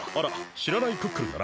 しらないクックルンだな。